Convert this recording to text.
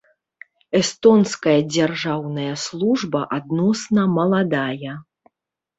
Эстонская дзяржаўная служба адносна маладая.